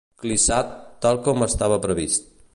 Clissat, tal com estava previst.